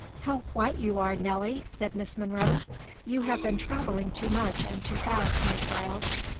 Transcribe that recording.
"How white you are, Nelly!" said Miss Monro. "You have been travelling too much and too fast, my child."